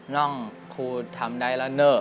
น้องครูทำได้แล้วเนอ